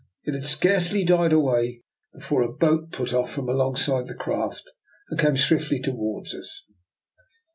It had scarcely died away before a boat put off from alongside the craft and came swiftly towards us.